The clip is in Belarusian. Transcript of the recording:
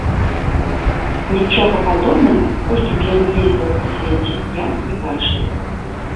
Нічога падобнага, колькі б я ні ездзіла па свеце, я не бачыла.